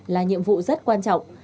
là nhiệm vụ rất quan trọng